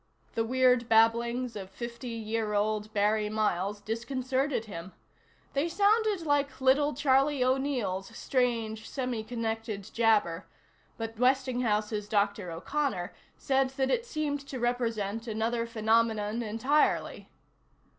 The weird babblings of fifty year old Barry Miles disconcerted him. They sounded like little Charlie O'Neill's strange semi connected jabber, but Westinghouse's Dr. O'Connor said that it seemed to represent another phenomenon entirely.